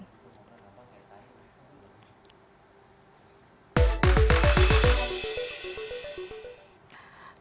kedua kapal yang berangkat terdekat di pulau selayar juga dianggap sebagai kapal berangkat pukul tiga belas waktu indonesia tengah